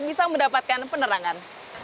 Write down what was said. bisa mendapatkan penerangan